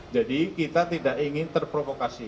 jadi kita tidak ingin terprovokasi